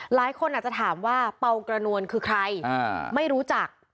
หลายคนอาจจะถามว่าเป่ากระนวลคือใครไม่รู้จัก